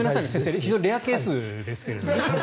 非常にレアケースですけどね。